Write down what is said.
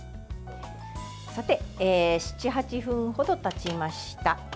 さて、７８分ほどたちました。